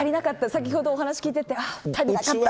先ほどお話聞いて足りなかったなって。